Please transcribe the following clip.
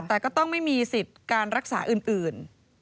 แต่ก็ต้องไม่มีสิทธิ์การรักษาอื่น